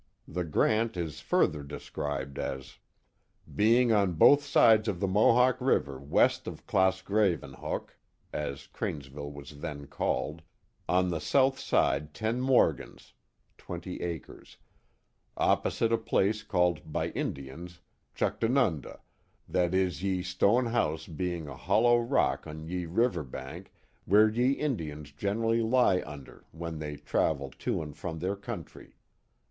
The grant is further describe as k^j||%^ng on both sides of Uie Mohawk river west of Claas Graven hoek y^as Cranesville was th^ called) on the south side tta morgens (so ."^ Tacres) opposite a place called by Indians. Juchtanunda (?) that is ye stone house being a hoUbw rock on ye liver bank where ye Indians generally lie under when they ttavill to and from their country.